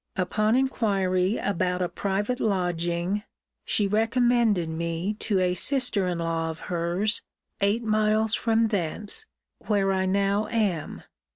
Upon inquiry about a private lodging, she recommended me to a sister in law of hers, eight miles from thence where I now am.